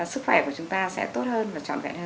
sức khỏe của chúng ta sẽ tốt hơn và trọn vẹn hơn